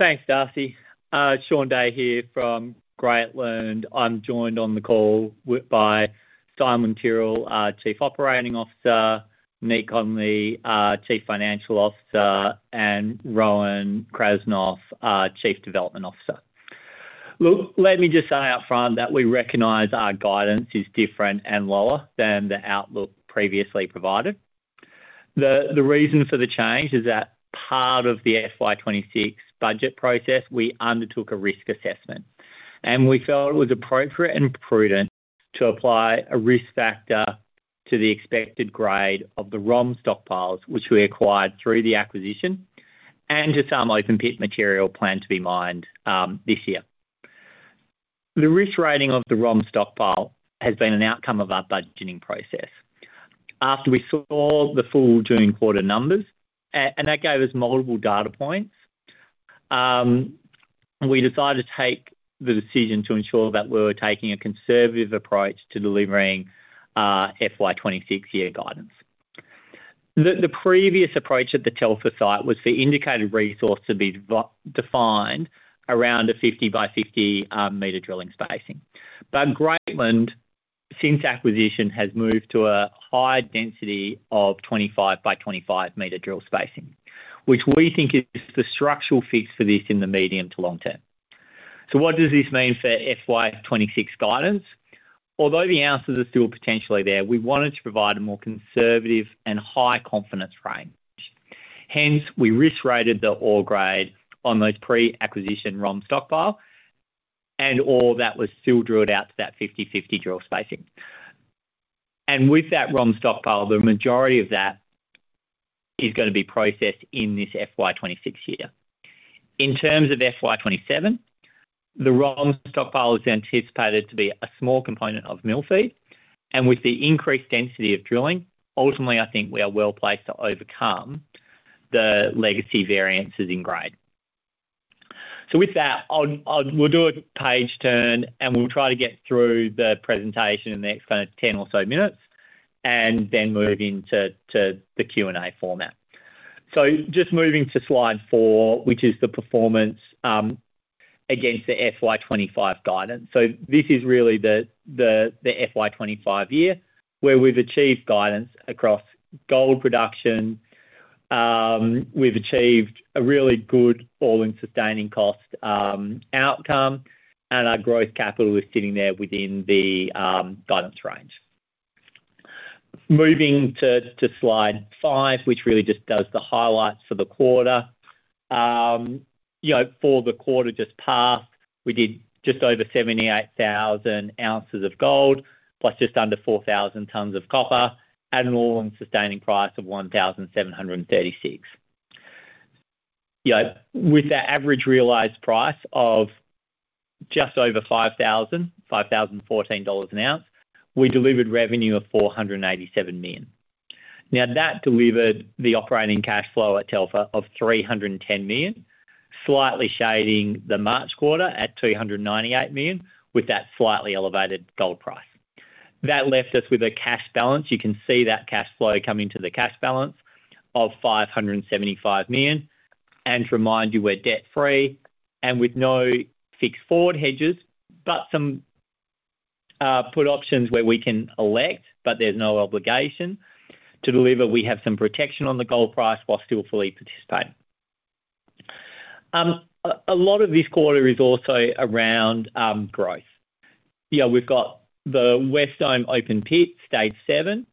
Thanks, Darcy. Shaun Day here from Greatland Resources. I'm joined on the call by Simon Tyrrell, Chief Operating Officer, Monique Connolly, Chief Financial Officer, and Rowan Krasnoff, Chief Development Officer. Look, let me just say up front that we recognize our guidance is different and lower than the outlook previously provided. The reason for the change is that as part of the FY 2026 budget process, we undertook a risk assessment and we felt it was appropriate and prudent to apply a risk factor to the expected grade of the ROM stockpiles which we acquired through the acquisition and to some open pit material planned to be mined this year. The risk rating of the ROM stockpile has been an outcome of our budgeting process. After we saw the full June quarter numbers and that gave us multiple data points, we decided to take the decision to ensure that we were taking a conservative approach to delivering FY 2026 year guidance. The previous approach at the Telfer site was for indicated resource to be defined around a 50x50 m drilling spacing. Greatland since acquisition has moved to a high density of 25x25 m drill spacing, which we think is the structural fix for this in the medium to long term. What this means for FY 2026 guidance is although the answers are still potentially there, we wanted to provide a more conservative and high confidence range. Hence, we risk rated the ore grade on those pre-acquisition ROM stockpile and all that was still drilled out to that 50x50 drill spacing. With that ROM stockpile, the majority of that is going to be processed in this FY 2026 year. In terms of FY 2027, the ROM stockpile is anticipated to be a small component of mill feed and with the increased density of drilling, ultimately I think we are well placed to overcome the legacy variances in grade. With that, we'll do a page turn and we'll try to get through the presentation in the next 10 or so minutes and then move into the Q&A format. Moving to slide four, which is the performance against the FY 2025 guidance, this is really the FY 2025 year where we've achieved guidance across gold production. We've achieved a really good all-in sustaining cost outcome and our growth capital is sitting there within the guidance range. Moving to slide five, which really just does the highlights for the quarter. For the quarter just passed, we did just over 78,000 oz of gold plus just under 4,000 tons of copper at an all-in sustaining cost of 1,736 with the average realized price of just over 5,000, 5,014 dollars an ounce. We delivered revenue of 487 million. That delivered the operating cash flow at Telfer of 310 million, slightly shading the March quarter at 298 million. With that slightly elevated gold price, that left us with a cash balance. You can see that cash flow coming to the cash balance of 575 million. To remind you, we're debt free and with no fixed forward hedges, but some put options where we can elect but there's no obligation to deliver. We have some protection on the gold price while still fully participating. A lot of this quarter is also around growth. We've got the west open pit, stage seven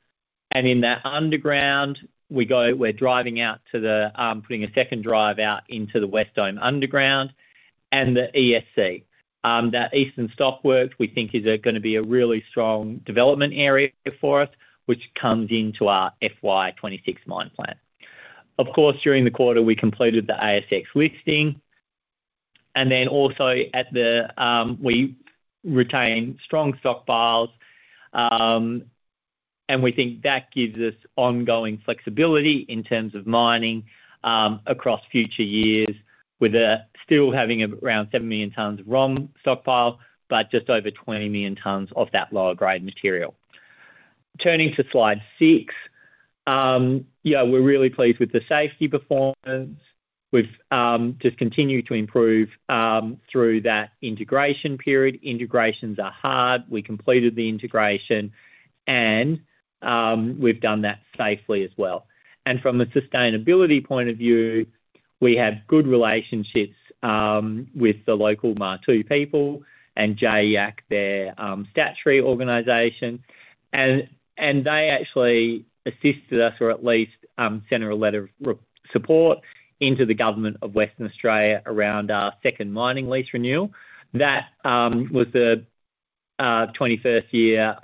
and in that underground we go, we're driving out to the putting a second drive out into the west dome underground and the ESC, that eastern stockwork we think is going to be a really strong development area for us, which comes into our FY 2026 mine plan. Of course, during the quarter we completed the ASX listing and we retain strong stockpiles and we think that gives us ongoing flexibility in terms of mining across future years with still having around 7 million tons ROM stockpile but just over 20 million tons of that lower grade material. Turning to slide 6. Yeah, we're really pleased with the safety performance. We've just continued to improve through that integration period. Integrations are hard. We completed the integration and we've done that safely as well. From a sustainability point of view, we have good relationships with the local Martu people and JYAC, their statutory organization, and they actually assisted us or at least sent a letter of support into the Government of Western Australia around our second mining lease renewal. That was the 21st year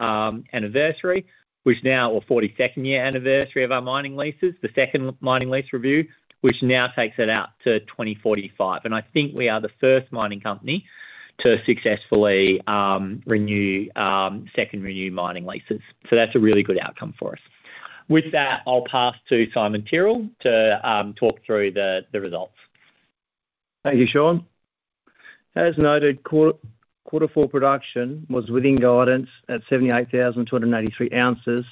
anniversary, which is now the 42nd year anniversary of our mining leases. The second mining lease review now takes it out to 2045. I think we are the first mining company to successfully renew second mining leases. That's a really good outcome for us. With that, I'll pass to Simon Tyrrell to talk through the results. Thank you, Shaun. As noted, quarter four production was within guidance at 78,283 oz,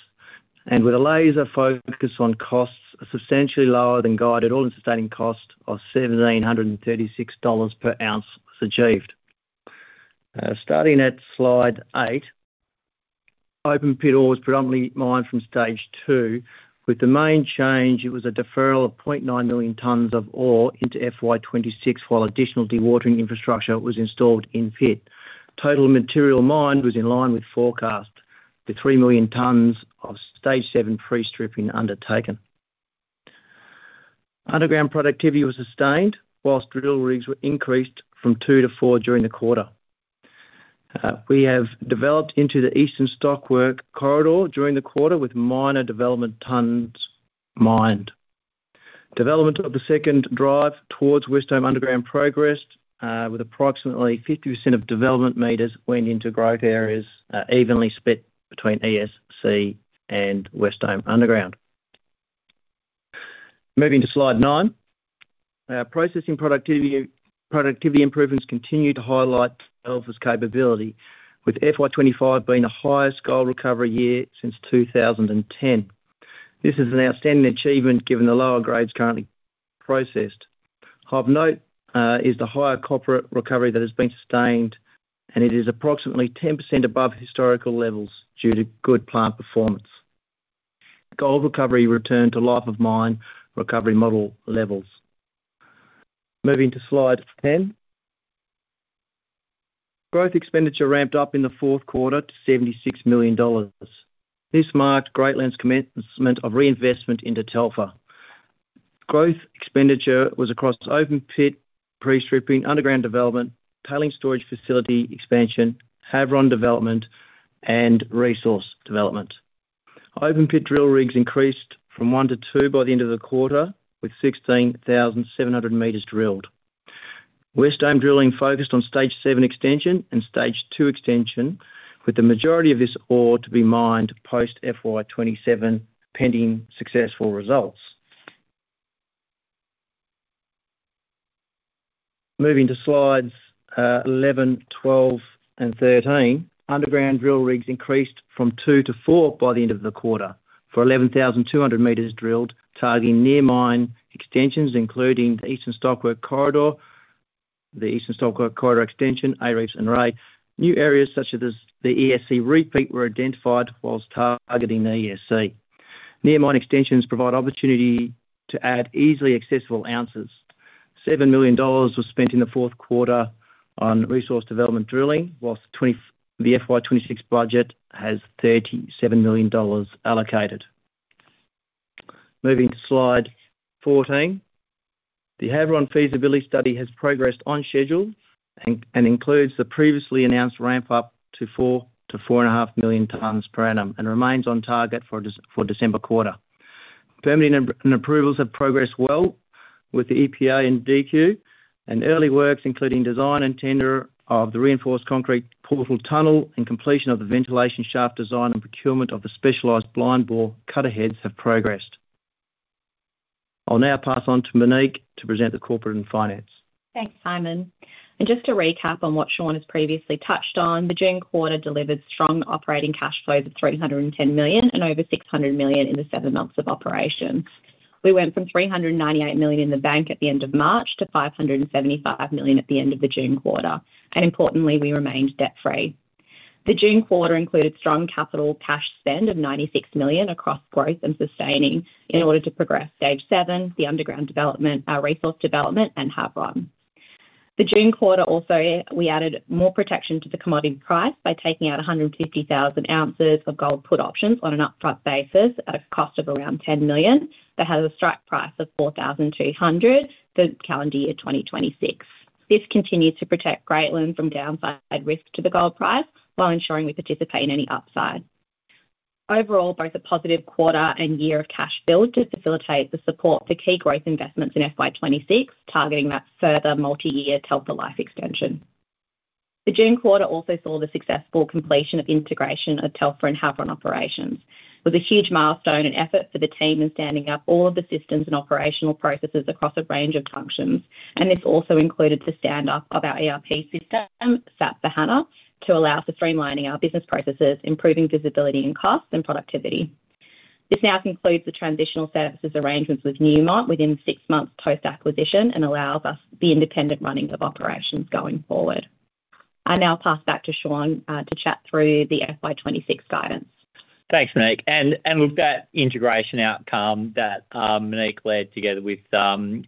and with a laser focus on costs, a substantially lower than guided all-in sustaining cost of 1,736 dollars per oz was achieved. Starting at slide eight, open pit ore was predominantly mined from Stage 2, with the main change being a deferral of 0.9 million tons of ore into FY 2026 while additional dewatering infrastructure was installed in-pit. Total material mined was in line with forecast, with 3 million tons of Stage 7 pre-stripping undertaken. Underground productivity was sustained whilst drill rigs were increased from two to four during the quarter. We have developed into the Eastern Stockwork Corridor during the quarter with minor development tons mined. Development of the second drive towards West Dome underground progressed with approximately 50% of development metres went into growth areas, evenly split between ESC and West Dome underground. Moving to slide nine, our processing productivity improvements continue to highlight Telfer's capability, with FY 2025 being the highest gold recovery year since 2010. This is an outstanding achievement given the lower grades currently processed. Of note is the higher copper recovery that has been sustained, and it is approximately 10% above historical levels due to good plant performance. Gold recovery returned to life of mine recovery model levels. Moving to slide 10, growth expenditure ramped up in the fourth quarter to 76 million dollars. This marked Greatland's commencement of reinvestment into Telfer. Growth expenditure was across open pit pre-stripping, underground development, tailings storage facility expansion, Havieron development, and resource development. Open pit drill rigs increased from one to two by the end of the quarter, with 16,700 m drilled. West Dome drilling focused on Stage 7 extension and Stage 2 extension, with the majority of this ore to be mined post-FY 2027 pending successful results. Moving to slides 11, 12, and 13, underground drill rigs increased from two to four by the end of the quarter for 11,200 m drilled, targeting near-mine extensions including the Eastern Stockwork Corridor, the Eastern Stockwork Corridor Extension, ARIFS, and Rae. New areas such as the ESC Repeat were identified, whilst targeting the ESC near-mine extensions provides opportunity to add easily accessible oz. 7 million dollars was spent in the fourth quarter on resource development drilling, whilst the FY 2026 budget has 37 million dollars allocated. Moving to slide 14, the Havieron feasibility study has progressed on schedule and includes the previously annozd ramp up to 4-4.5 million tons per annum and remains on target for December quarter. Permitting and approvals have progressed well with the EPA and DQ, and early works including design and tender of the reinforced concrete portal tunnel and completion of the ventilation shaft. Design and procurement of the specialized blind bore cut aheads have progressed. I'll now pass on to Monique to present the corporate and finance. Thanks Simon, and just to recap on what Shaun has previously touched on, the June quarter delivered strong operating cash flows of 310 million and over 600 million in the seven months of operation. We went from 398 million in the bank at the end of March to 575 million at the end of the June quarter, and importantly we remained debt free. The June quarter included strong capital cash spend of 96 million across growth and sustaining in order to progress stage seven, the underground development, our resource development, and Havieron. The June quarter also we added more protection to the commodity price by taking out 150,000 oz of gold put options on an upfront basis at a cost of around 10 million, and that has a strike price of 4,200 for the calendar year 2026. This continued to protect Greatland Resources from downside risk to the gold price while ensuring we participate in any upside. Overall, both a positive quarter and year of cash build to facilitate the support for key growth investments in FY 2026, targeting that further multi-year Telfer life extension. The June quarter also saw the successful completion of integration of Telfer and Havieron operations, which was a huge milestone and effort for the team in standing up all of the systems and operational process across a range of functions, and this also included the stand up of our ERP system SAP S/4HANA to allow for streamlining our business processes, improving visibility in cost and productivity. This now concludes the transitional services arrangements with Newmont within six months post acquisition and allows us the independent running of operations going forward. I now pass back to Shaun to chat through the FY 2026 guidance. Thanks Monique. That integration outcome that Monique led together with Simon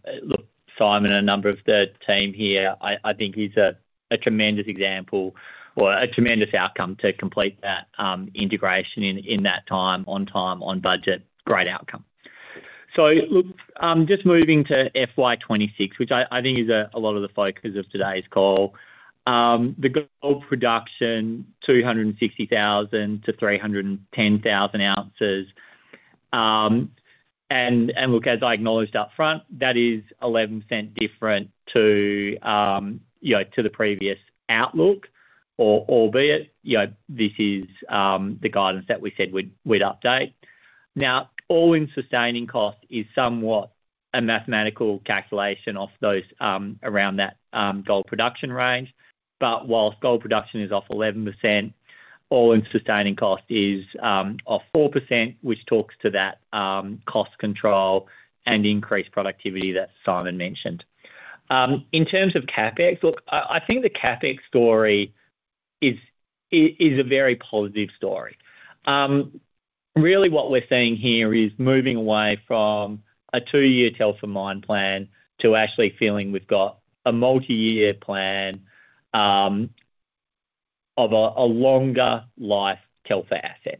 and a number of the team here, I think is a tremendous example or a tremendous outcome to complete that integration in that time, on time, on budget. Great outcome. Just moving to FY 2026, which I think is a lot of the focus of today's call, the gold production 260,000 oz-310,000 oz. As I acknowledged up front, that is 11% different to the previous outlook, albeit this is the guidance that we said we'd update. Now all-in sustaining cost is somewhat a mathematical calculation around that gold production range. Whilst gold production is off 11%, all-in sustaining cost is off 4%, which talks to that cost control and increased productivity that Simon mentioned. In terms of CapEx, I think the CapEx story is a very positive story. Really what we're seeing here is moving away from a two-year Telfer mine plan to actually feeling we've got a multi-year plan of a longer life Telfer asset.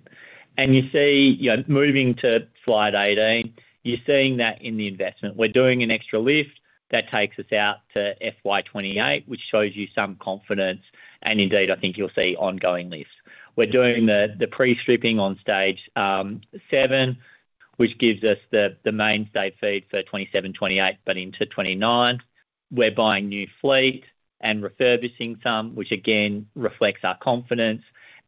Moving to slide 18, you're seeing that in the investment we're doing, an extra lift that takes us out to FY 2028, which shows you some confidence and indeed I think you'll see ongoing lifts. We're doing the pre-stripping on stage seven, which gives us the mainstay feed for 2027, 2028, but into 2029 we're buying new fleet and refurbishing some, which again reflects our confidence.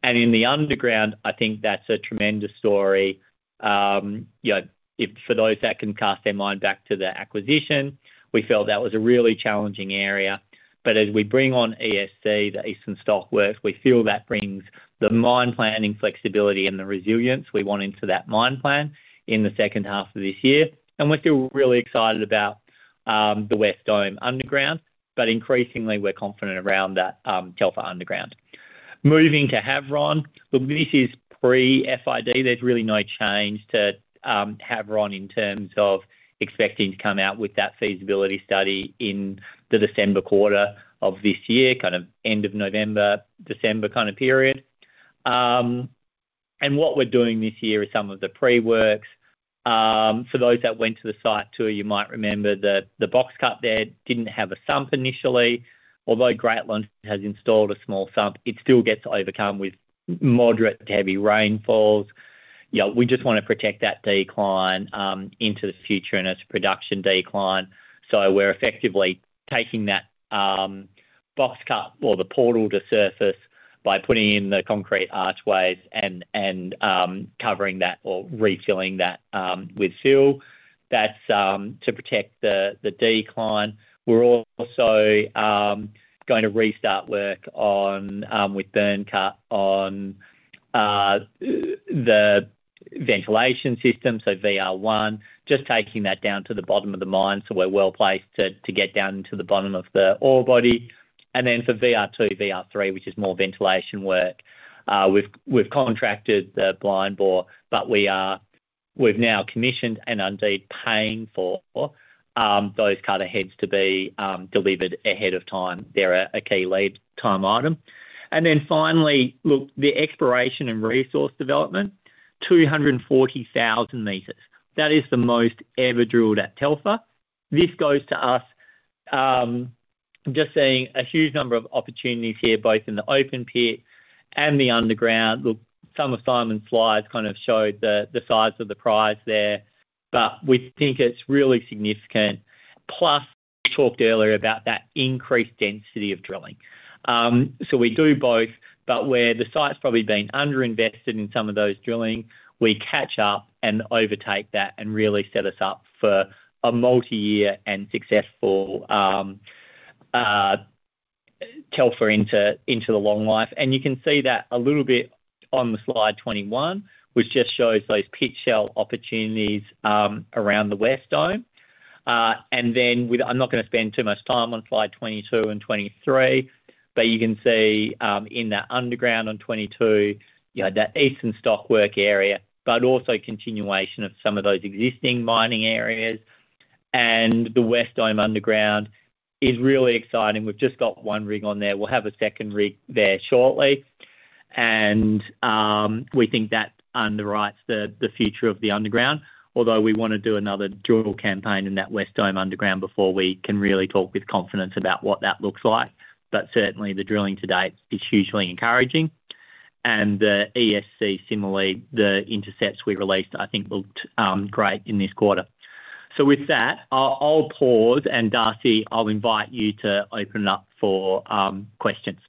In the underground, I think that's a tremendous story for those that can cast their mind back to the acquisition. We felt that was a really challenging area. As we bring on ESC, the eastern stockwork, we feel that brings the mine planning flexibility and the resilience we want into that mine plan in the second half of this year. We're still really excited about the West Dome underground, but increasingly we're confident around that Telfer underground. Moving to Havieron, this is pre-FID. There's really no change to Havieron in terms of expecting to come out with that feasibility study in the December quarter of this year, kind of end of November, December kind of period. What we're doing this year is some of the pre-works. For those that went to the site too, you might remember that the box cut there didn't have a sump initially. Although Greatland has installed a small sump, it still gets overcome with moderate to heavy rainfalls. We just want to protect that decline into the future and its production decline. We're effectively taking that box cut or the portal to surface by putting in the concrete archways and covering that or refilling that with fill. That's to protect the decline. We're also going to restart work with Byrnecut on the ventilation system. VR1, just taking that down to the bottom of the mine. We're well placed to get down to the bottom of the ore body. For VR2, VR3, which is more ventilation work, we've contracted the blind bore, but we've now commissioned and indeed paying for those cutter heads to be delivered ahead of time. They're a key lead time item. Finally, the exploration and resource development 240,000 m. That is the most ever drilled at Telfer. This goes to us just seeing a huge number of opportunities here, both in the open pit and the underground. Some of Simon's slides showed the size of the prize there, but we think it's really significant. Plus, we talked earlier about that increased density of drilling. We do both. Where the site's probably been underinvested in some of those drilling, we catch up and overtake that and really set us up for a multi-year and successful Telfer into the long life. You can see that a little bit on slide 21, which shows those pit shell opportunities around the West Dome. I'm not going to spend too much time on slide 22 and 23, but you can see in that underground on 22, that eastern stockwork area, but also continuation of some of those existing mining areas and the West Dome underground is really exciting. We've just got one rig on there. We'll have a second rig there shortly and we think that underwrites the future of the underground. Although we want to do another dual campaign in that West Dome underground before we can really talk with confidence about what that looks like. Certainly, the drilling to date is hugely encouraging and the ESC similarly, the intercepts we released I think looked great in this quarter. With that, I'll pause and Darcy, I'll invite you to open it up for questions.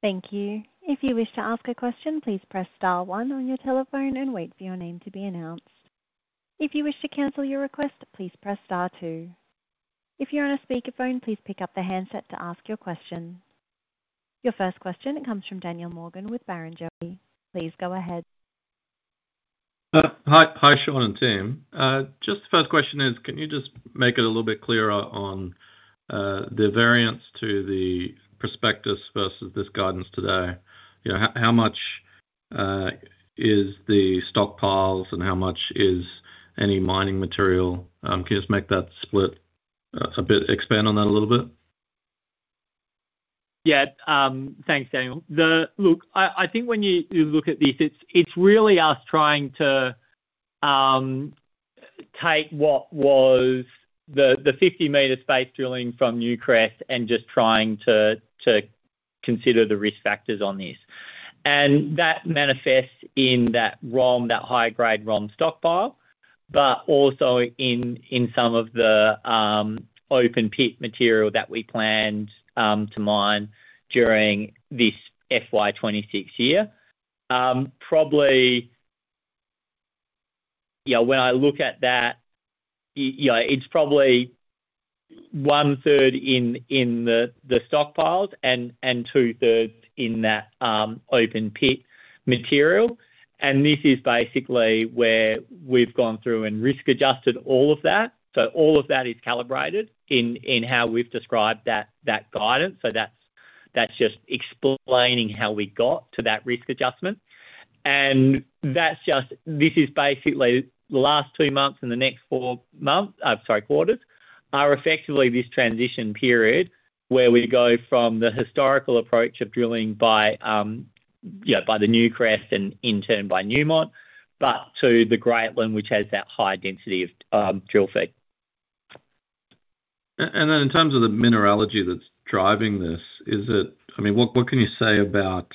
Thank you. If you wish to ask a question, please press star one on your telephone and wait for your name to be annozd. If you wish to cancel your request, please press star two. If you're on a speakerphone, please pick up the handset to ask your question. Your first question comes from Daniel Morgan with Barrenjoey. Please go ahead. Hi Shaun and Tim. Just the first question is can you just make it a little bit clearer on the variance to the prospectus versus this guidance today? You know, how much is the stockpiles and how much is any mining material? Can you just make that split a bit? Expand on that a little bit? Yeah. Thanks, Daniel. Look, I think when you look at this, it's really us trying to take what was the 50 m space drilling from Newcrest and just trying to consider the risk factors on this. That manifests in that ROM, that high grade ROM stockpile, but also in some of the open pit material that we planned to mine during this FY 2026 year. Probably when I look at that, it's probably one third in the stockpiles and 2/3 in that open pit material. This is basically where we've gone through and risk adjusted all of that. All of that is calibrated in how we've described that guidance. That's just explaining how we got to that risk adjustment. This is basically the last two months and the next four quarters are effectively this transition period where we go from the historical approach of drilling by Newcrest and in turn by Newmont, to Greatland Resources which has that high density of drill feed. In terms of the mineralogy that's driving this, is it, I mean, what can you say about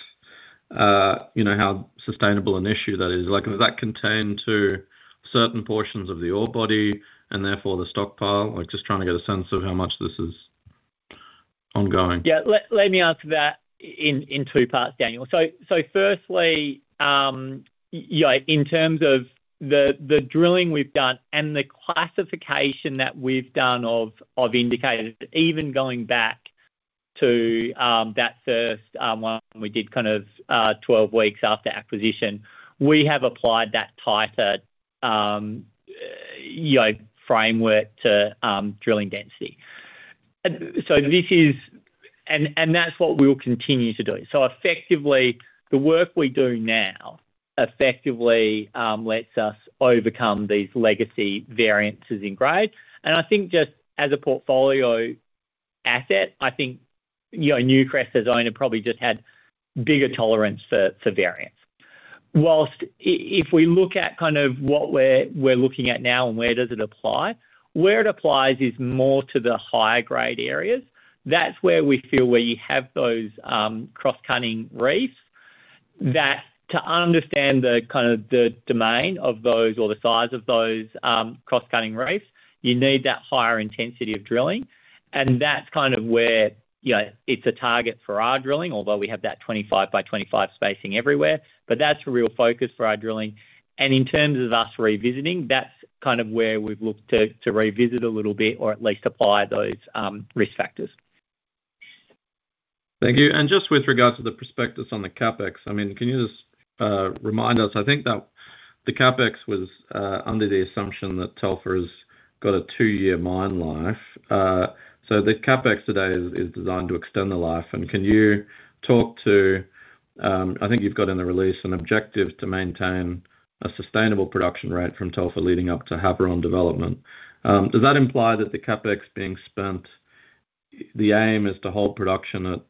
how sustainable an issue that is? Does that contain to certain portions of the ore body and therefore the stockpile? I'm just trying to get a sense of how much this is. Yeah, let me answer that in two parts, Daniel. Firstly, in terms of the drilling we've done and the classification that we've done of indicators, even going back to that first one we did kind of 12 weeks after acquisition, we have applied that tighter framework to drilling density. This is what we will continue to do. Effectively, the work we do now lets us overcome these legacy variances in grade. I think just as a portfolio asset, I think Newcrest as owner probably just had bigger tolerance for variance. If we look at kind of what we're looking at now and where does it apply, where it applies is more to the higher grade areas. That's where we feel, where you have those cross cutting reefs, that to understand the kind of the domain of those or the size of those cross cutting reefs, you need that higher intensity of drilling, and that's kind of where it's a target for our drilling, although we have that 25x25 spacing everywhere. That's a real focus for our drilling, and in terms of us revisiting, that's kind of where we've looked to revisit a little bit or at least apply those risk factors. Thank you. Just with regards to the prospectus on the CapEx, can you remind us, I think that the CapEx was under the assumption that Telfer has got a two-year mine life. The CapEx today is designed to extend the life. Can you talk to, I think you've got in the release an objective to maintain a sustainable production rate from Telfer leading up to Havieron development. Does that imply that the CapEx being spent, the aim is to hold production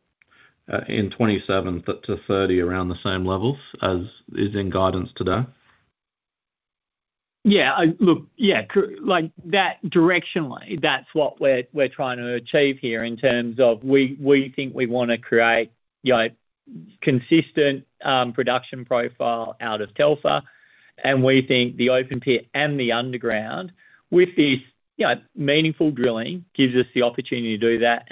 in 2027-2030 around the same levels as is in guidance today? Yeah, look, like that directionally that's what we're trying to achieve here in terms of we think we want to create, you know, consistent production profile out of Telfer and we think the open pit and the underground with these meaningful drilling gives us the opportunity to do that.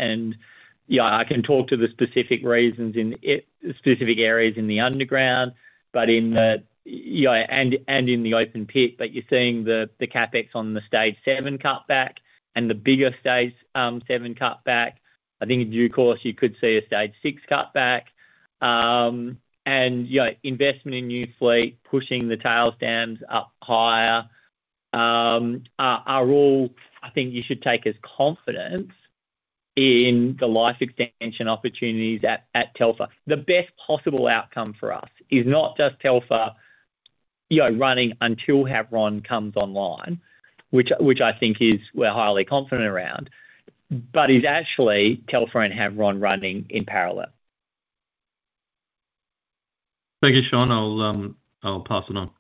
I can talk to the specific reasons in specific areas in the underground and in the open pit, but you're seeing the CapEx on the stage seven cutback and the bigger stage seven cutback. I think in due course you could see a stage six cutback and investment in new fleet. Pushing the tail stands up higher are all, I think, you should take as confidence in the life extension opportunities at Telfer. The best possible outcome for us is not just Telfer running until Havieron comes online, which I think we're highly confident around, but is actually Telfer and Havieron running in parallel. Thank you Shaun. I'll pass it on.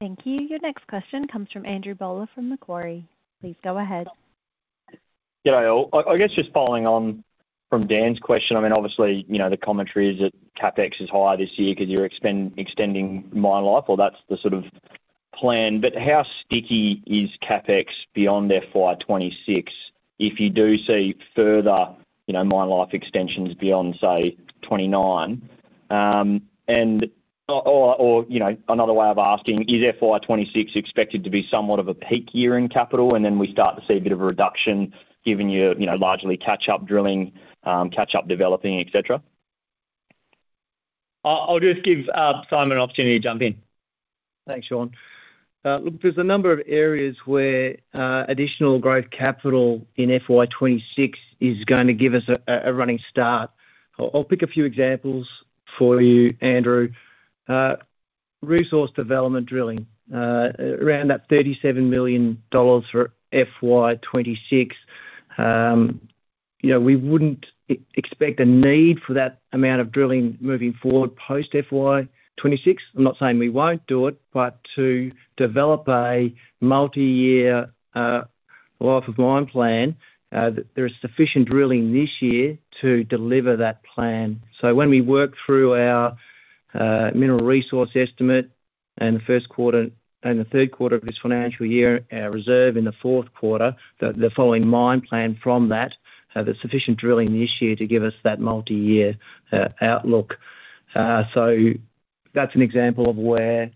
Thank you. Your next question comes from Andrew Bowler from Macquarie. Please go ahead. I guess just following on from Dan's question. I mean obviously you know the commentary is that CapEx is higher this year because you're extending mine life or that's. The sort of plan. How sticky is CapEx beyond FY 2026 if you do see further mine life extensions beyond, say, 2029? Another way of asking is, is FY 2026 expected to be somewhat of a peak year in capital, and then we start to see a bit of a reduction given you largely catch up drilling, catch up developing, etc. I'll just give Simon Tyrrell an opportunity to jump in. Thanks Shaun. Look, there's a number of areas where additional growth capital in FY 2026 is going to give us a running start. I'll pick a few examples for you, Andrew. Resource development, drilling around that 37 million dollars for FY 2026. You know we wouldn't expect a need for that amount of drilling moving forward post FY 2026. I'm not saying we won't do it, but to develop a multi-year life of mine plan, there is sufficient drilling this year to deliver that plan. When we work through our mineral resource estimate in the first quarter and the third quarter of this financial year, our reserve in the fourth quarter, the following mine plan from that, there's sufficient drilling this year to give us that multi-year outlook. That's an example of where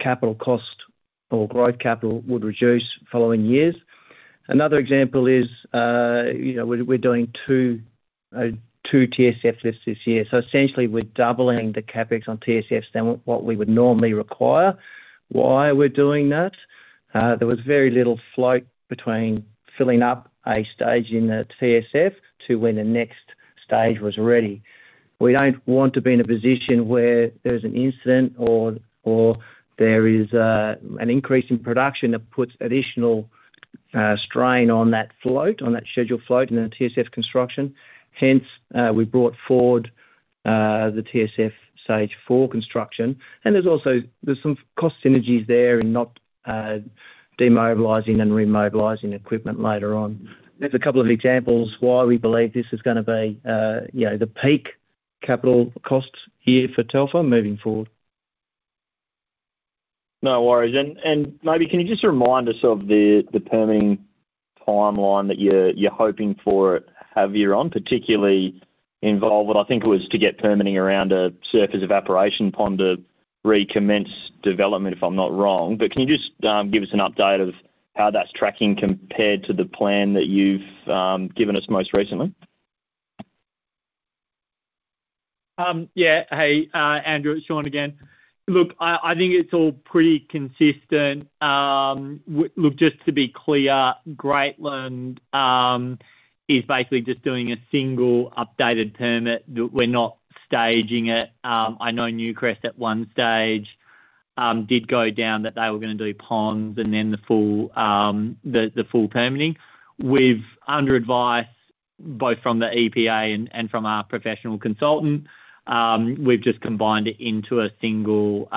capital cost or growth capital would reduce in following years. Another example is, you know, we're doing two TSF lifts this year, so essentially we're doubling the CapEx on TSFs than what we would normally require. Why we're doing that, there was very little float between filling up a stage in the TSF to when the next stage was ready. We don't want to be in a position where there's an incident or there is an increase in production that puts additional strain on that float, on that scheduled float in the TSF construction. Hence, we brought forward the TSF Stage 4 construction and there's also some cost synergies there in not demobilizing and remobilizing equipment later on. There's a couple of examples why we believe this is going to be the peak capital costs here for Telfer moving forward. No worries. Can you just remind us of the permitting timeline that you're hoping for Havieron, particularly what I think was to get permitting around a surface evaporation pond to recommence development? If I'm not wrong. Can you just give us an update of how that's tracking compared to the plan that you've given us most recently? Yeah. Hey Andrew, it's Shaun again. I think it's all pretty consistent. Just to be clear, Greatland is basically just doing a single updated permit, that we're not staging it. I know Newcrest at one stage did go down that they were going to do ponds and then the full, the full permitting. We've, under advice both from the EPA and from our professional consultant, just combined it into a single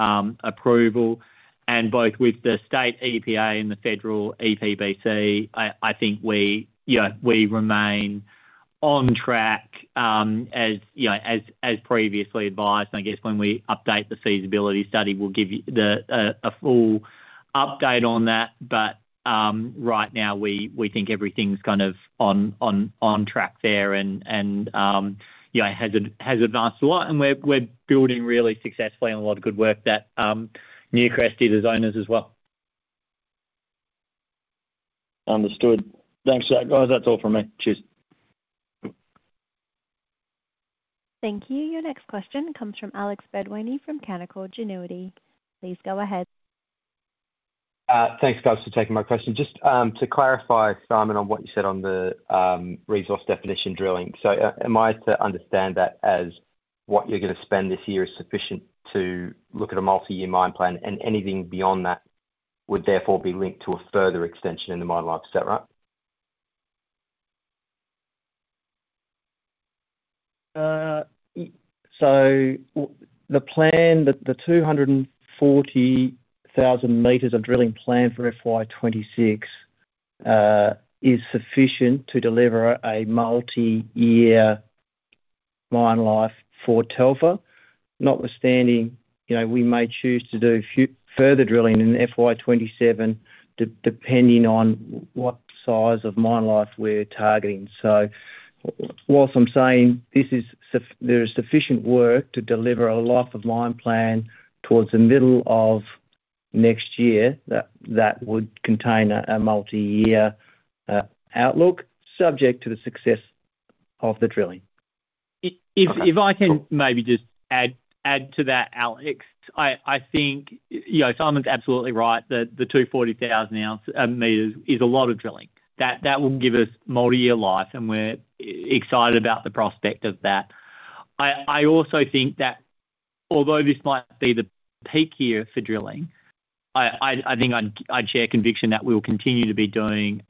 approval with both the state EPA and the federal EPBC. I think we remain on track as previously advised. I guess when we update the feasibility study we'll give you a full update on that. Right now we think everything's kind of on track there and has advanced a lot, and we're building really successfully on a lot of good work that Newcrest did as owners as well. Understood. Thanks guys. That's all from me. Cheers. Thank you. Your next question comes from Alex Bedwany from Canaccord Genuity. Please go ahead. Thanks guys for taking my question. Just to clarify, Simon, on what you said on the resource definition drilling. Am I to understand that what you're going to spend this year is sufficient to look at a multi-year mine plan, and anything beyond that would therefore be linked to a further extension in the mine life, is that right? The plan that the 240,000 m of drilling plan for FY 2026 is sufficient to deliver a multi-year mine life for Telfer, notwithstanding, you know, we may choose to do further drilling in FY 2027 depending on what size of mine life we're targeting. Whilst I'm saying this, there is sufficient work to deliver a life of mine plan towards the middle of next year that would contain a multi-year outlook subject to the success of the drilling. If I can maybe just add to that, Alex, I think Simon's absolutely right that the 240,000 m is a lot of drilling that will give us multi-year life and we're excited about the prospect of that. I also think that although this might be the peak year for drilling, I think I'd share conviction that we will continue to be doing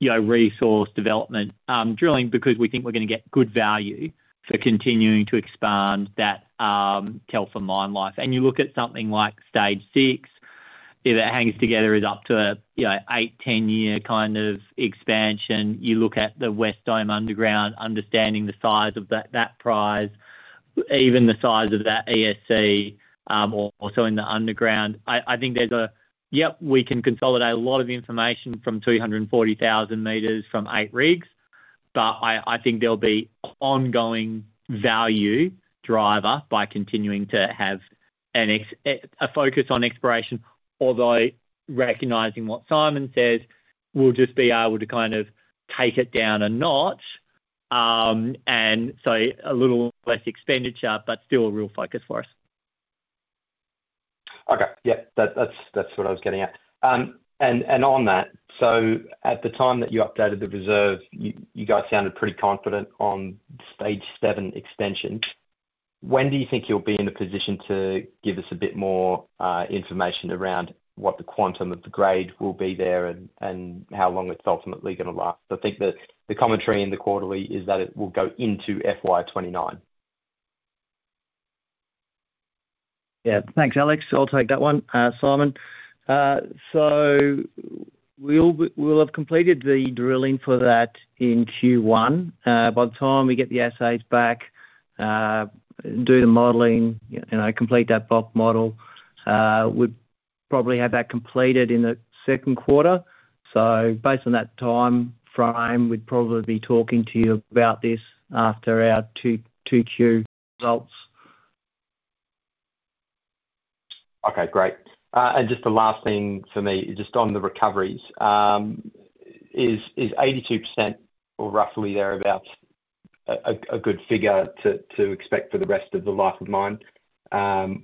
resource development drilling because we think we're going to get good value for continuing to expand that Telfer mine life. You look at something like stage six, if it hangs together, it's up to eight, ten year kind of expansion. You look at the West Dome underground, understanding the size of that prize, even the size of that ESC or so in the underground, I think there's a—yep, we can consolidate a lot of information from 240,000 m from eight rigs. I think there'll be ongoing value driver by continuing to have a focus on exploration, although recognizing what Simon says, we'll just be able to kind of take it down a notch and so a little less expenditure but still a real focus for us. Okay, yeah, that's what I was getting at. At the time that you updated the reserve, you guys sounded pretty confident. On Stage 7 extension. When do you think you'll be in a position to give us a bit more information around what the quantum of the grade will be there, and how long it's ultimately going to last? I think that the commentary in the quarterly is that it will go into FY 2029. Yeah, thanks Alex. I'll take that one, Simon. We'll have completed the drilling for that in Q1. By the time we get the assays back, do the modeling, and I complete that bulk model, we probably have that completed in the second quarter. Based on that time frame, we'd probably be talking to you about this after our 2Q results. Okay, great. Just the last thing for me, just on the recoveries, is 82% or roughly thereabouts a good figure to expect for the rest of the life of mine,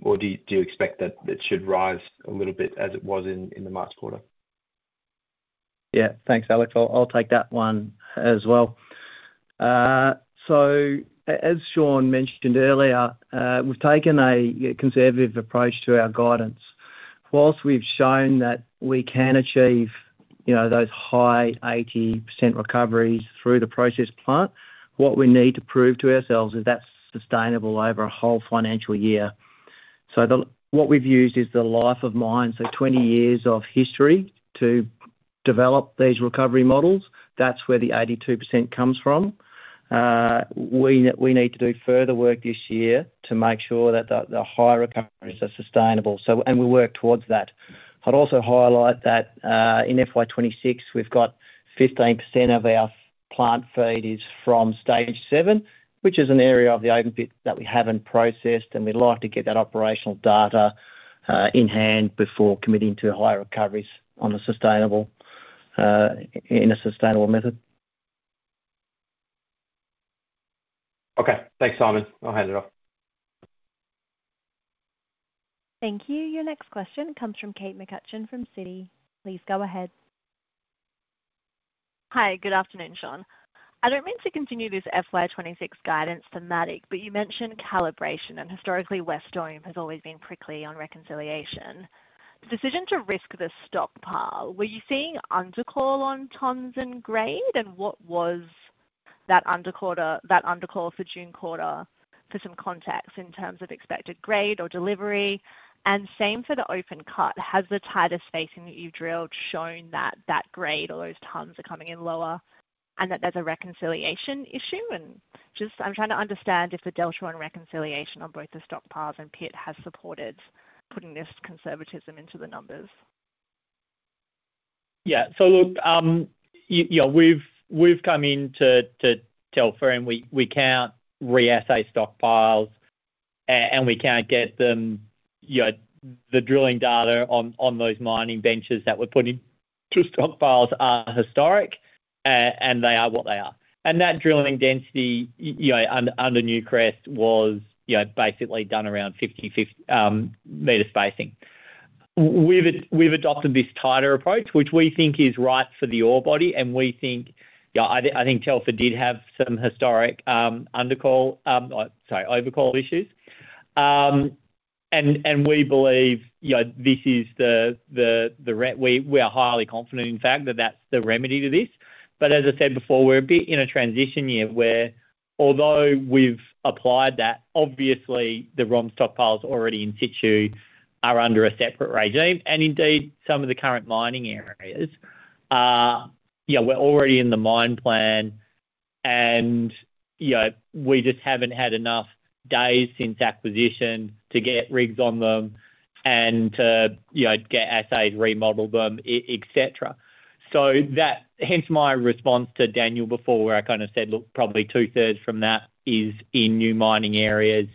or do you expect that it should rise a little bit as it was in the March quarter? Yeah, thanks Alex. I'll take that one as well. As Shaun mentioned earlier, we've taken a conservative approach to our guidance. Whilst we've shown that we can achieve those high 80% recoveries through the process plant, what we need to prove to ourselves is that's sustainable over a whole financial year. What we've used is the life of mine, so 20 years of history to develop these recovery models. That's where the 82% comes from. We need to do further work this year to make sure that the high recoveries are sustainable and we work towards that. I'd also highlight that in FY 2026 we've got 15% of our plant feed is from stage seven, which is an area of the open pit that we haven't processed. We'd like to get that operational data in hand before committing to higher recoveries in a sustainable method. Okay, thanks, Simon. I'll hand it off. Thank you. Your next question comes from Kate McCutcheon from Citi. Please go ahead. Hi, good afternoon Shaun. I don't mean to continue this FY 2026 guidance for Matic, but you mentioned calibration and historically West has always been prickly on reconciliation. The decision to risk the stockpile, were you seeing undercall on tons and grade and what was that under quarter? That undercall for June quarter for some context in terms of expected grade or delivery and same for the open cut. Has the tighter spacing that you've drilled shown that that grade or those tons are coming in lower and that there's a reconciliation issue? I'm trying to understand if the delta in reconciliation on both the stockpiles and pit has supported putting this conservatism into the numbers. Yeah, so look, we've come in to Telfer and we can't reassay stockpiles and we can't get them. The drilling data on those mining benches that we're putting to stockpiles are historic and they are what they are. That drilling density under Newcrest was basically done around 50 m spacing. We've adopted this tighter approach which we think is right for the ore body and we think, I think Telfer did have some historic under call, sorry, over call issues and we believe this is the, we are highly confident in fact that that's the remedy to this. As I said before, we're a bit in a transition year where although we've applied that, obviously the ROM stockpiles already in situ are under a separate regime and indeed some of the current mining areas, you know, were already in the mine plan and you know, we just haven't had enough days since acquisition to get rigs on them and you know, get assays, remodel them, etc. Hence my response to Daniel before where I kind of said look, probably two thirds from that is in new mining areas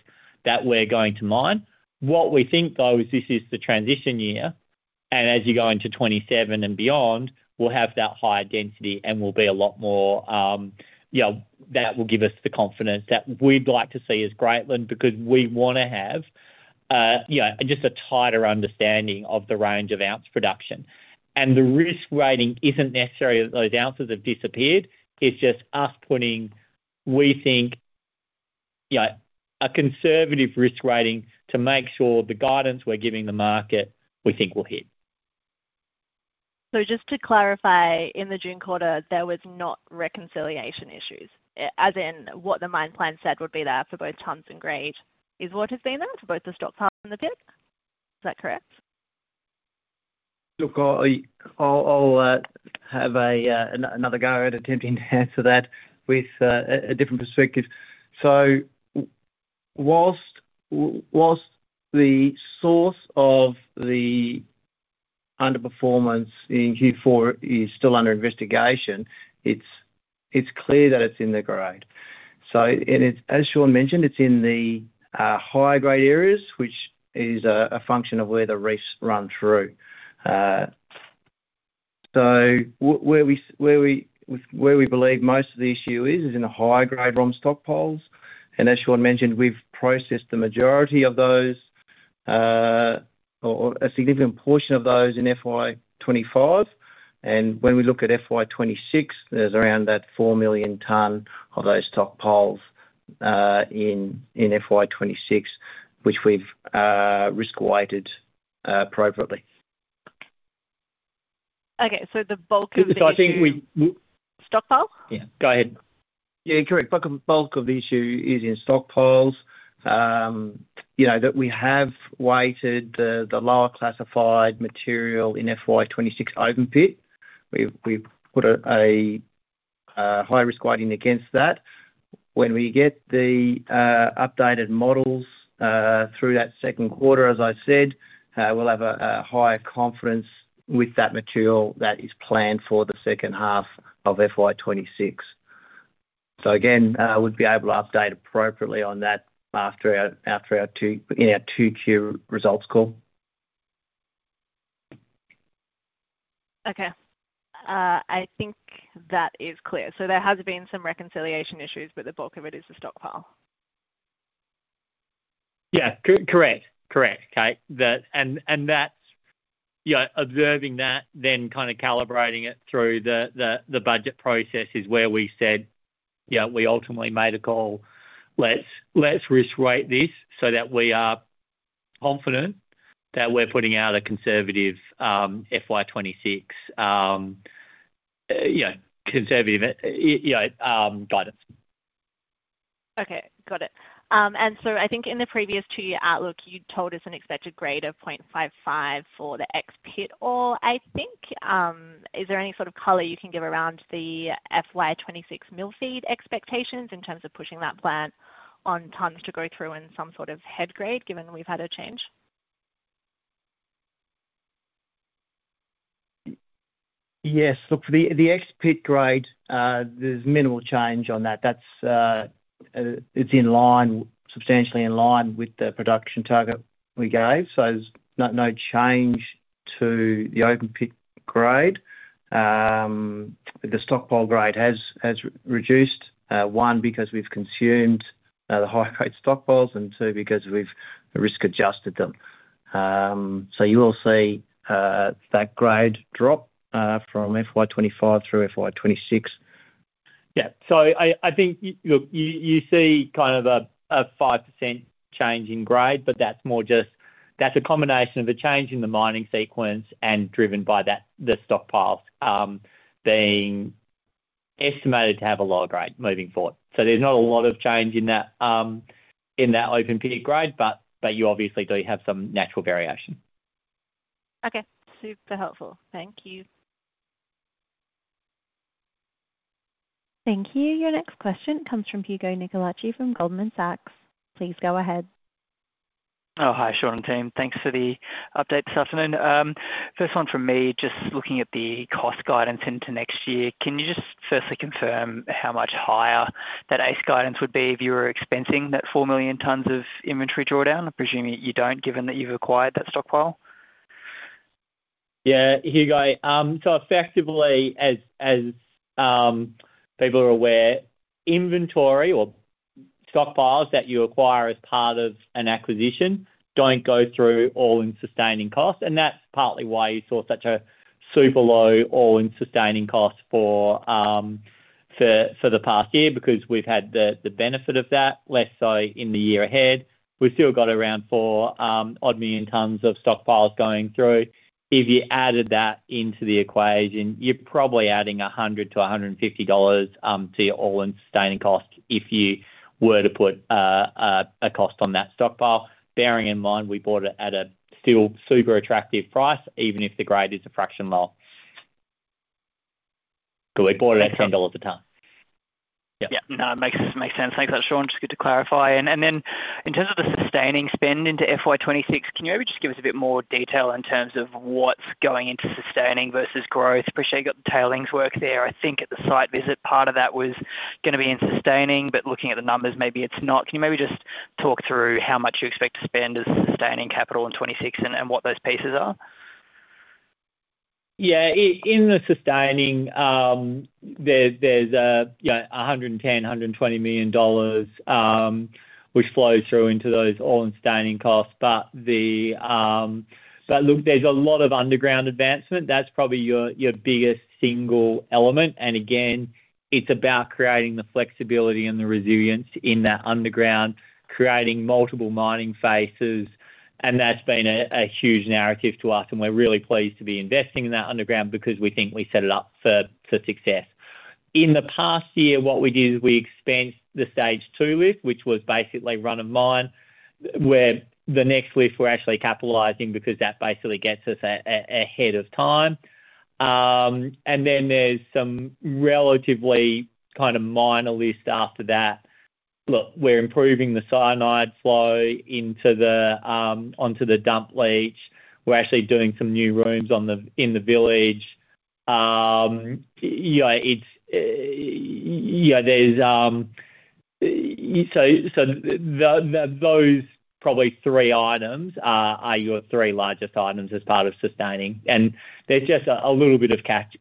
that we're going to mine. What we think though is this is the transition year and as you go into 2027 and beyond, we'll have that high density and will be a lot more that will give us the confidence that we'd like to see as Greatland because we want to have just a tighter understanding of the range of oz production. The risk rating isn't necessarily that those oz have disappeared. It's just us putting, we think, a conservative risk rating to make sure the guidance we're giving the market we think will hit. Just to clarify, in the June quarter there were not reconciliation issues, as in what the mine plan said would be there for both tons and grade is what has been there for both the stockpile and the pit, is that correct? I'll have another go at attempting to answer that with a different perspective. So. Whilst the source of the underperformance in Q4 is still under investigation, it's clear that it's in the grade. As Shaun mentioned, it's in the high grade areas which is a function of where the reefs run through. We believe most of the issue is in the high grade ROM stockpiles. As Shaun mentioned, we've processed the majority of those or a significant portion of those in FY 2025. When we look at FY 2026, there's around that 4 million tons of those stockpiles in FY 2026 which we've risk weighted appropriately. Okay, the bulk of the issue. I think we stockpile. Yeah, go ahead. Yeah, correct. Bulk of the issue is in stockpiles. You know that we have weighted the lower classified material in FY 2026 open pit. We put a high risk weighting against that. When we get the updated models through that second quarter, as I said, we'll have a higher confidence with that material that is planned for the second half of FY 2026. We would be able to update appropriately on that in our 2Q results call. Okay, I think that is clear. There have been some reconciliation issues. The bulk of it is the stockpile. Correct, Kate. That's observing that, then calibrating it through the budget process is where we said we ultimately made a call. Let's risk weight this so that we are confident that we're putting out a conservative FY 2026, conservative guidance. Okay, got it. I think in the previous two-year outlook you told us an expected grade of 0.55 for the ex pit ore. Is there any sort of color you can give around the FY 2026 mill feed expectations in terms of pushing that plant on tons to go through in some sort of head grade given we've had a. Yes, look for the ex pit grade. There's minimal change on that. It's in line, substantially in line with the production target we gave. There's no change to the open pit grade. The stockpile grade has reduced, one because we've consumed the high grade stockpiles, and two, because we've risk adjusted them. You will see that grade drop from FY 2025 through FY 2026. Yeah, I think you see kind of a 5% change in grade. That's more just a combination of a change in the mining sequence and driven by that, the stockpiles being estimated to have a lower grade moving forward. There's not a lot of change in that open pit grade, but you obviously do have some natural variation. Okay, super helpful. Thank you. Thank you. Your next question comes from Hugo Nicolaci from Goldman Sachs. Please go ahead. Oh, hi Shaun and team. Thanks for the update this afternoon. First one from me, just looking at the cost guidance into next year, can you just firstly confirm how much higher that AISC guidance would be if you were expensing that 4 million tons of inventory drawdown? Presuming you don't, given that you've acquired that stockpile. Yeah, Hugo, so effectively, as people are aware, inventory or stockpiles that you acquire as part of an acquisition don't go through all-in sustaining costs. That's partly why you saw such a super low all-in sustaining cost for the past year, because we've had the benefit of that. Less so in the year ahead. We've still got around 4 million tons of stockpiles going through. If you added that into the equation, you're probably adding 100-150 dollars to your all-in sustaining cost. If you were to put a cost on that stockpile, bearing in mind we bought it at a still super attractive price, even if the grade is a fraction lower. We bought it at AUD 10 a tons. Yeah, no, it makes sense. Thanks a lot, Shaun. Just good to clarify. In terms of the sustaining spend into FY 2026, can you maybe just give us a bit more detail in terms of what's going into sustaining versus growth? Appreciate the tailings work there. I think at the site visit part of that was going to be in sustaining. Looking at the numbers, maybe it's not. Can you maybe just talk through how much you expect to spend as sustaining capital in 2026 and what those pieces are? Yeah, in the sustaining there's 110 million dollars, 120 million dollars which flow through into those all-in sustaining costs. There's a lot of underground advancement, that's probably your biggest single element. It's about creating the flexibility and the resilience in that underground, creating multiple mining faces. That's been a huge narrative to us and we're really pleased to be investing in that underground because we think we set it up for success in the past year. What we did is we expensed the stage two lift, which was basically run-of-mine, where the next lift we're actually capitalizing because that basically gets us ahead of time. Then there's some relatively kind of minor lifts after that. We're improving the cyanide flow onto the dump leach. We're actually doing some new rooms in the village. Those probably three items are your three largest items as part of sustaining and there's just a little bit of CapEx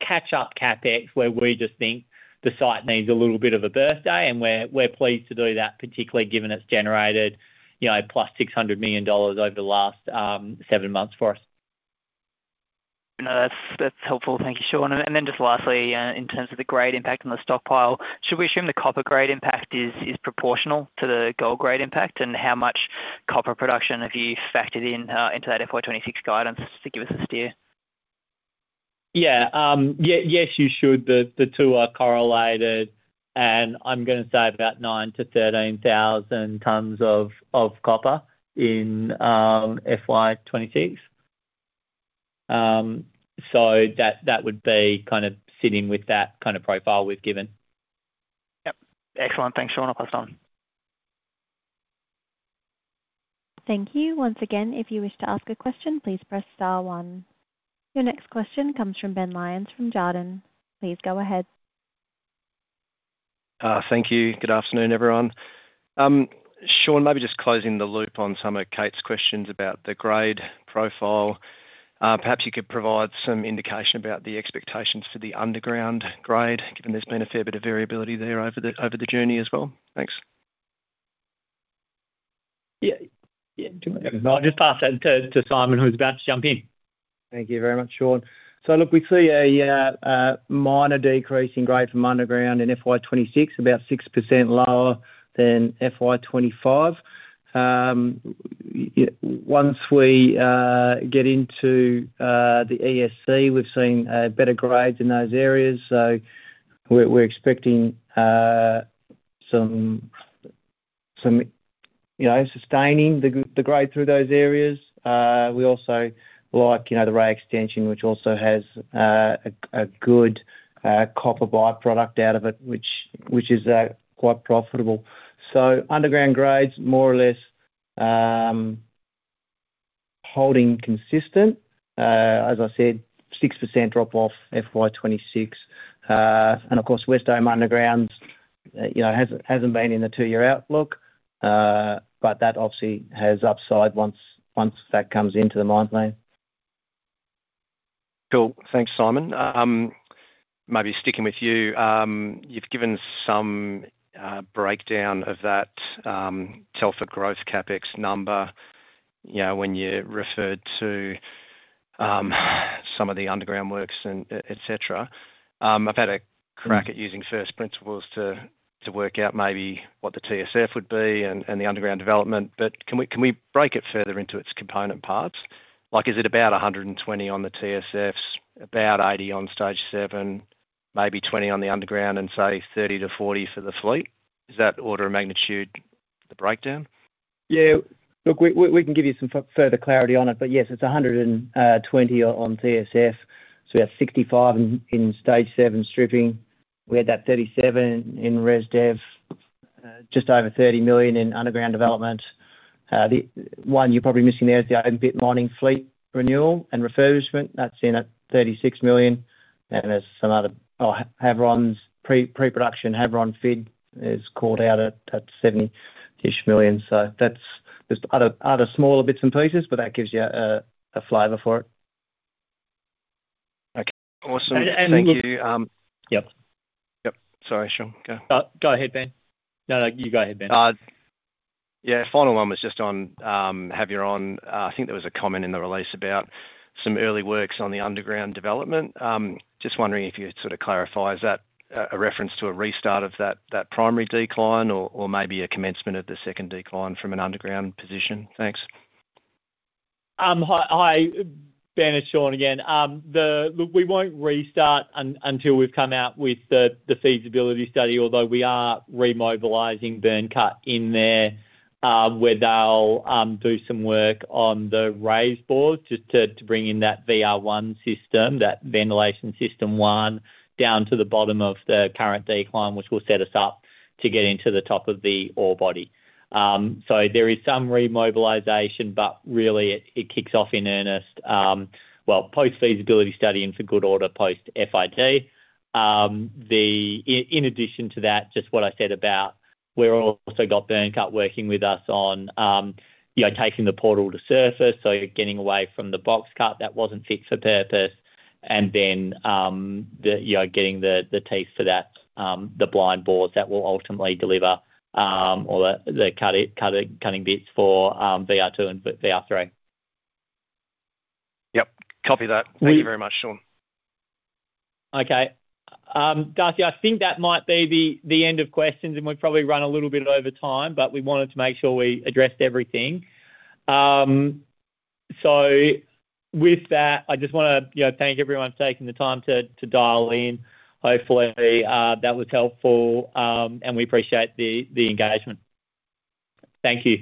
catch up. CapEx where we just think the site needs a little bit of a birthday and we're pleased to do that, particularly given it's generated, you know, plus 600 million dollars over the last seven months for us. No, that's helpful, thank you, Shaun. Lastly, in terms of the grade impact on the stockpile, should we assume the copper grade impact is proportional to the gold grade impact, and how much copper production have you factored into that FY 2026 guidance to give us a steer? Yes, you should. The two are correlated and I'm going to say about 9,000 tons-13,000 tons of copper in FY 2026. That would be kind of sitting with that kind of profile we've given. Yep, excellent. Thanks, Sean. I'll pass on. Thank you once again. If you wish to ask a question, please press star one. Your next question comes from Ben Lyons from Jarden. Please go ahead. Thank you. Good afternoon, everyone. Shaun, maybe just closing the loop on some of Kate's questions about the grade profile, perhaps you could provide some indication about the expectations for the underground grade. Given there's been a fair bit of variability there over the journey as well. Thanks. I'll just pass that to Simon Tyrrell who's about to jump in. Thank you very much, Shaun. We see a minor decrease in grade from underground in FY 2026, about 6% lower than FY 2025. Once we get into the ESC, we've seen better grades in those areas, so we're expecting some sustaining the grade through those areas. We also like the Ray extension, which also has a good copper by-product out of it, which is quite profitable. Underground grades more or less holding consistent. As I said, 6% drop off FY 2026. Of course, West Dome underground hasn't been in the two-year outlook, but that obviously has upside once that comes into the mine plan. Cool. Thanks, Simon. Maybe sticking with you, you've given some breakdown of that Telfer growth CapEx number when you referred to some of the underground works, et cetera. I've had a crack at using first principles to work out maybe what the TSF would be and the underground development. Can we break it further into its component parts? Like is it about 120 million on the TSFS, about 80 million on stage seven, maybe 20 million on the underground, and say 30 million-40 million for the fleet. Is that order of magnitude the breakdown? Yeah, look, we can give you some further clarity on it, but yes, it's 120 million on TSF. We have 65 million in stage seven stripping, we had that 37 million in res dev, just over 30 million in underground development. The one you're probably missing there is the open pit mining fleet renewal and refurbishment, that's in at 36 million. There's some other Havieron pre-production, Havieron FID is called out at 70 million. That's other smaller bits and pieces, but that gives you a flavor for it. Okay, awesome. Thank you. Yep, yep. Sorry Sean. Go ahead, Ben. No, you go ahead, Ben. Yeah, final one was just on Havieron. I think there was a comment in the release about some early works on the underground development. Just wondering if you could sort of clarify. Is that a reference to a restart of that primary decline or maybe a commencement of the second decline from an underground position? Thanks. Hi Ben, it's Shaun again. We won't restart until we've come out with the feasibility study. Although we are remobilizing Byrnecut in there where they'll do some work on the raised board just to bring in that VR1 system, that ventilation system one down to the bottom of the current decline, which will set us up to get into the top of the ore body. There is some remobilization, but really it kicks off in earnest post feasibility study and for good order, post fit. In addition to that, just what I said about, we're also got Byrnecut working with us on taking the portal to surface, so getting away from the box cut that wasn't fit for purpose, and then you're getting the taste for that. The blind boards that will ultimately deliver all the cutting bits for VR2 and VR3. Yep. Copy that. Thank you very much, Shaun. Okay, Darcy, I think that might be the end of questions, and we've probably run a little bit over time, but we wanted to make sure we addressed everything. With that, I just want to thank everyone for taking the time to dial in. Hopefully, that was helpful, and we appreciate the engagement. Thank you.